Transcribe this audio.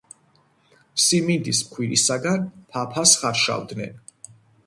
სიმინდის ფქვილისაგან ფაფას ხარშავდნენ.